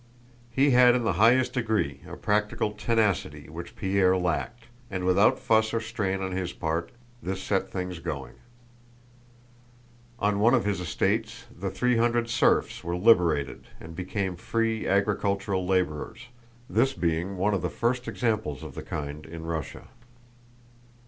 He had in the highest degree a practical tenacity which Pierre lacked, and without fuss or strain on his part this set things going. On one of his estates the three hundred serfs were liberated and became free agricultural laborers—this being one of the first examples of the kind in Russia.